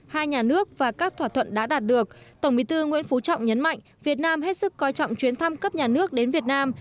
hai nhà nước và các thỏa thuận đã đạt được tổng bí thư nguyễn phú trọng nhấn mạnh việt nam hết sức coi trọng chuyến thăm cấp nhà nước đến việt nam